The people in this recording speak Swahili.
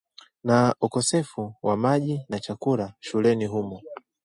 na ukosefu wa maji na chakula shuleni humo